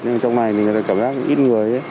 nhưng trong này thì cảm giác ít người